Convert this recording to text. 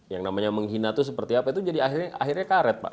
yang namanya menghina itu seperti apa itu jadi akhirnya karet pak